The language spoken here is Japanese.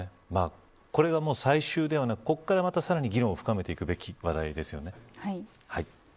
これが最終ではなく、ここからまたさらに議論を深めていくべき話題ですよね。